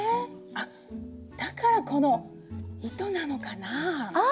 あっだからこの糸なのかなあ？